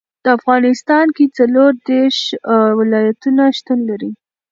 په افغانستان کې څلور دېرش ولایتونه شتون لري.